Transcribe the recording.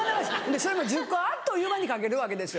それも１０個あっという間に書けるわけですよ。